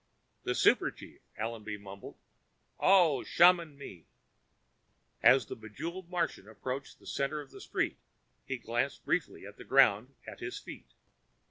"The super chief," Allenby murmured. "Oh, shaman me!" As the bejeweled Martian approached the center of the street, he glanced briefly at the ground at his feet.